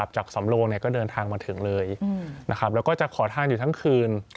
จากสำโลงก็เดินทางมาถึงเลยแล้วก็จะขอทานอยู่ทั้งคืน